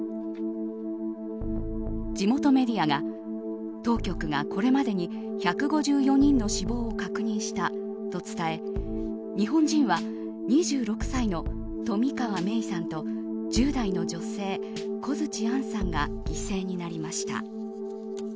地元メディアが当局がこれまでに１５４人の死亡を確認したと伝え日本人は２６歳の冨川芽生さんと１０代の女性、小槌杏さんが犠牲になりました。